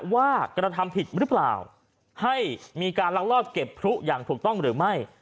ว่ากระทำผิดหรือเปล่าให้มีการลักลอบเก็บพลุอย่างถูกต้องหรือไม่